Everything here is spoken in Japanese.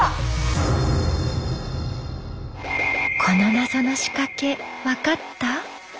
この謎の仕掛け分かった？